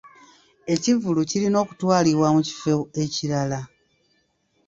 Ekivvulu kirina okutwalibwa mu kifo ekirala.